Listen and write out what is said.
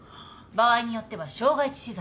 場合によっては傷害致死罪も。